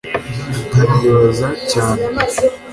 nkanibaza cyane